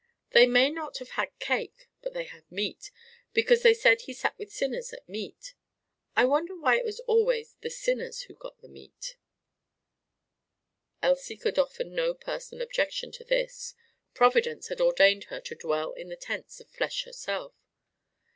"They may not have had cake, but they had meat: because they said he sat with sinners at meat. I wonder why it was always the sinners who got the meat!" Elsie could offer no personal objection to this: Providence had ordained her to dwell in the tents of flesh herself.